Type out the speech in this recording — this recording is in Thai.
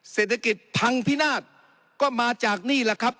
เศรษฐกิจพังพินาศก็มาจากนี่แหละครับ